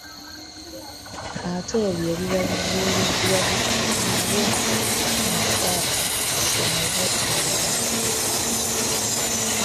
Ate ebyo ebiba bizuuliddwa bikubibwe mu kyapa bisomebwe n’abalala.